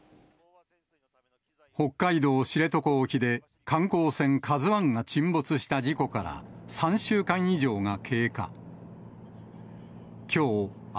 北海道知床沖で、観光船、ＫＡＺＵＩが沈没した事故から３週間以上が経過。